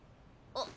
あっ。